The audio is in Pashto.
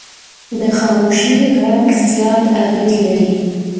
د خاموشي غږ زیات اغېز لري